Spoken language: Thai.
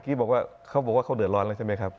บอกว่าเขาบอกว่าเขาเดือดร้อนแล้วใช่ไหมครับ